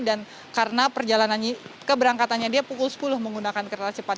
dan karena perjalanannya keberangkatannya dia pukul sepuluh menggunakan kereta cepat